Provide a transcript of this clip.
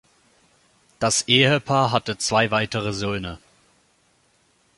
Das Ehepaar hatte zwei weitere Söhne.